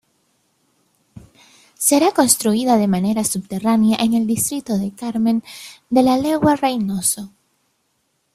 Será construida de manera subterránea en el distrito de Carmen de La Legua-Reynoso.